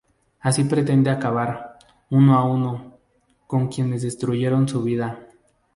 Así pretende acabar, uno a uno, con quieren destruyeron su vida.